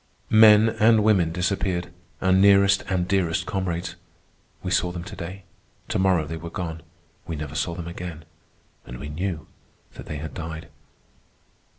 Men and women disappeared, our nearest and dearest comrades. We saw them to day. To morrow they were gone; we never saw them again, and we knew that they had died.